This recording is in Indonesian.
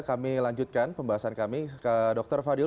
kami lanjutkan pembahasan kami ke dr fadil